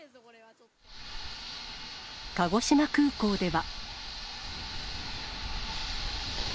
鹿児島空港では。